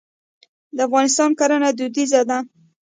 د افغانستان کرنه دودیزه ده.